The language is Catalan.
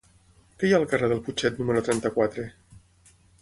Què hi ha al carrer del Putxet número trenta-quatre?